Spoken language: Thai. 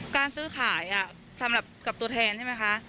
การซื้อขายสำหรับกับตัวแทนใช่ไหมคะ